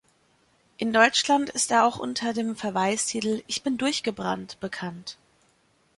In Deutschland ist er auch unter dem Verweistitel "Ich bin durchgebrannt" bekannt.